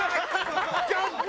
ちょっと！